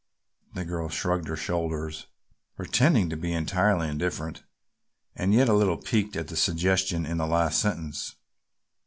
The girl shrugged her shoulders pretending to be entirely indifferent and yet a little piqued at the suggestion in the last sentence.